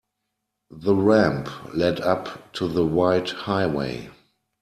The ramp led up to the wide highway.